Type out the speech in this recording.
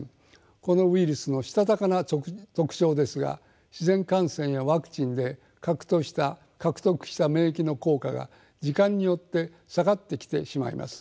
このウイルスのしたたかな特徴ですが自然感染やワクチンで獲得した免疫の効果が時間によって下がってきてしまいます。